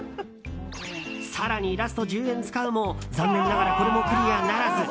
更に、ラスト１０円使うも残念ながら、これもクリアならず。